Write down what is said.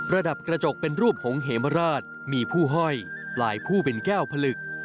ระดับกระจกเป็นรูปหงเหมราชมีผู้ห้อยปลายผู้เป็นแก้วผลึก